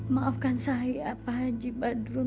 maafkan saya apa haji badrun